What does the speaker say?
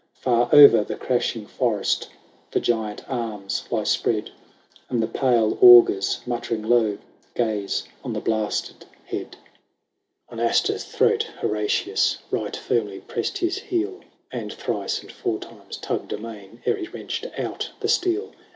Far o'er the crashing forest The giant arms lie spread ; And the pale augurs, muttering low. Gaze on the blasted head. XL VII. On Astur's throat Horatius Right firmly pressed his heel. And thrice and four times tugged amain, Ere he wrenched out the steel.